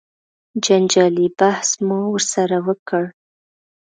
جنجالي بحث مو ورسره وکړ.